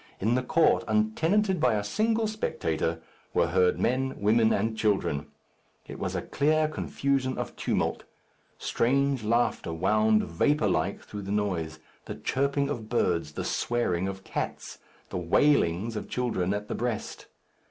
In the court, untenanted by a single spectator, were heard men, women, and children. It was a clear confusion of tumult. Strange laughter wound, vapour like, through the noise, the chirping of birds, the swearing of cats, the wailings of children at the breast.